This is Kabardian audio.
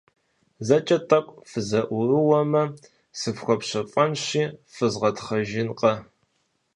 ЗэкӀэ тӀэкӀу фызэӀурыумэ, сыфхуэпщэфӀэнщи, фызгъэтхъэжынкъэ.